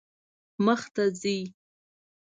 مخ ته ځئ